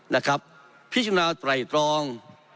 นะครับพิจารณาไตรตรอง